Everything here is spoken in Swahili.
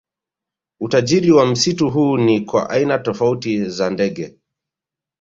Utajiri wa msitu huu ni kwa aina tofauti za ndege